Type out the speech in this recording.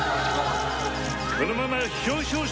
「このまま表彰式！」。